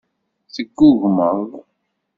Teggugmeḍ.